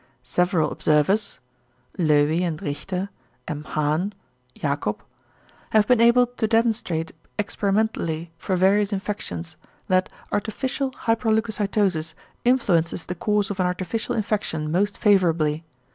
Several observers (Löwy and Richter, M. Hahn, Jacob), have been able to demonstrate experimentally for various infections, that artificial hyperleucocytosis influences the course of an artificial infection most favourably.